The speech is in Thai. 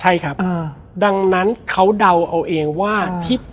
แล้วสักครั้งหนึ่งเขารู้สึกอึดอัดที่หน้าอก